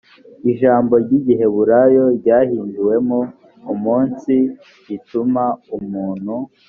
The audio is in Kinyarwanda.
ijambo ry igiheburayo ryahinduwemo umunsi rituma umuntu